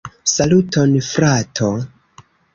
Saluton frato!